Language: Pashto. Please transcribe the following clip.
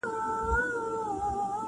یو پاچا د پښتنو چي ډېر هوښیار وو-